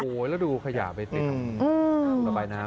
โอ้โฮแล้วดูขยะไปเต็ม